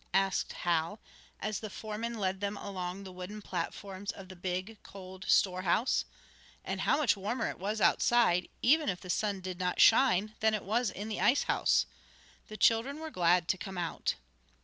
asked Hal, as the foreman led them along the wooden platforms out of the big, cold storehouse. And how much warmer it was outside; even if the sun did not shine, than it was in the ice house. The children were glad to come out.